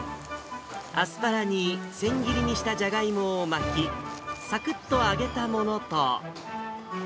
アスパラに、千切りにしたじゃがいもを巻き、さくっと揚げたものと。